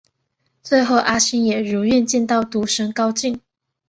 最后阿星也如愿见到赌神高进。